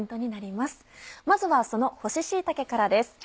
まずはその干し椎茸からです。